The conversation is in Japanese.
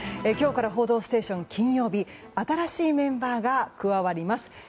今日から「報道ステーション」金曜日新しいメンバーが加わります。